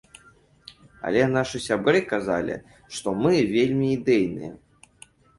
Але нашы сябры казалі, што мы вельмі ідэйныя.